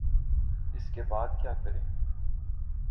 اس کے بعد کیا کریں؟